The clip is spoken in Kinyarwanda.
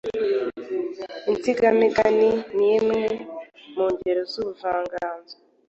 Insigamigani ni imwe mu ngeri z’ubuvanganzo